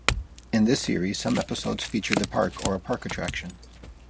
In this series, some episodes featured the park or a park attraction.